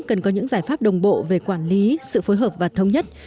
cần có những giải pháp đồng bộ về quản lý sự phối hợp và thống nhất